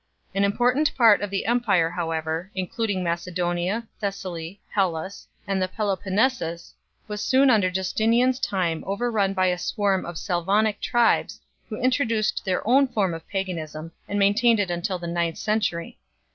An important part of the Empire however, including Macedonia, Thessaly, Hellas, and the Peloponnesus, was soon after Justinian s time overrun b}^ a swarm of Sla vonic tribes, who introduced their own form of paganism and maintained it until the ninth century.